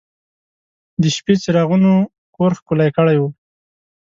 د شپې څراغونو کور ښکلی کړی و.